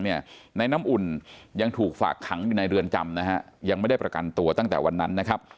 ในน้ำอุ่นยังถูกฝากขังอยู่ในเรือนจำนะฮะยังไม่ได้ประกันตัวตั้งแต่วันนั้นนะครับ